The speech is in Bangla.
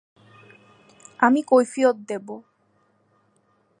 আমি কৈফিয়ত দেবো।